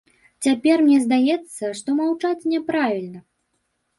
Цяпер мне здаецца, што маўчаць няправільна.